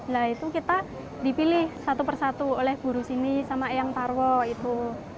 nah itu kita dipilih satu persatu oleh guru sini sama eyang tarwo itu